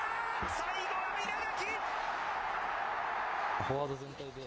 最後は稲垣。